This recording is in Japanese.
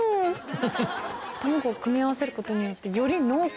卵を組み合わせることによってより。